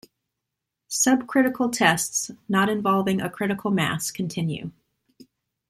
Subcritical tests not involving a critical mass continue.